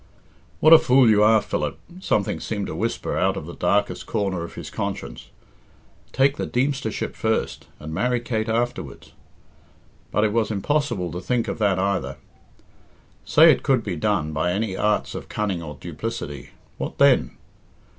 "What a fool you are, Philip," something seemed to whisper out of the darkest corner of his conscience; "take the Deemstership first, and marry Kate afterwards." But it was impossible to think of that either. Say it could be done by any arts of cunning or duplicity, what then?